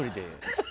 ハハハ！